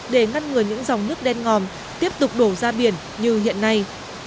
để ngăn ngừa những dòng nước đen ngòm tiếp tục đổ ra biển như hiện nay